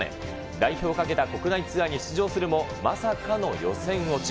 代表をかけた国内ツアーに出場するも、まさかの予選落ち。